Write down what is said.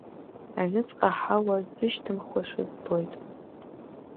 Аҩныҵҟа аҳауа сзышьҭымхуашәа збоит.